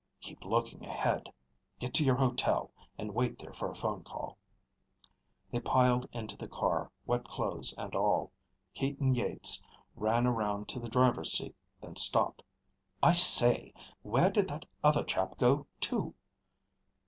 "Keep looking ahead. Get to your hotel and wait there for a phone call." They piled into the car, wet clothes and all. Keaton Yeats ran around to the driver's seat, then stopped. "I say! Where did that other chap go to?"